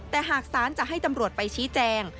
แต่หากศาลจะให้ตำรวจไปชี้แจง